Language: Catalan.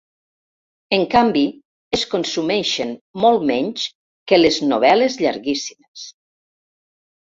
En canvi, es consumeixen molt menys que les novel·les llarguíssimes.